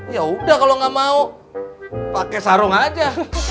ya udah kalau nggak mau pakai sarung aja